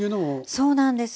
そうなんです。